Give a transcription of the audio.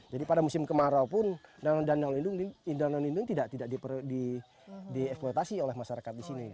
jadi pada musim kemarau pun danau nau lindung tidak di eksploitasi oleh masyarakat di sini